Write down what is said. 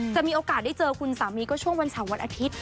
มีโอกาสได้เจอคุณสามีก็ช่วงวันเสาร์วันอาทิตย์